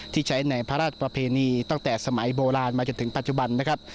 ที่ใช้ในพระราชประเพณีตั้งแต่สมัยโบราณมาจนถึงปัจจุบันนะครับ